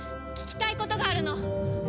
聞きたいことがあるの。